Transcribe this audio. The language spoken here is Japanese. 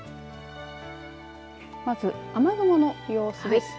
まず雨雲の様子です。